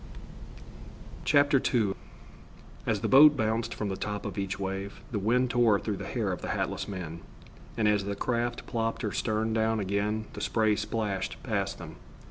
II As the boat bounced from the top of each wave, the wind tore through the hair of the hatless men, and as the craft plopped her stern down again the spray splashed past them.